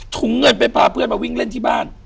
ถุงเงินไปพาเพื่อนมาวิ่งเล่นที่บ้าน